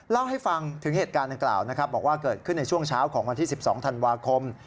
เล่าให้ฟังถึงเหตุการณ์ดังกล่าวนะครับบอกว่าเกิดขึ้นในช่วงเช้าของวันที่๑๒ธันวาคม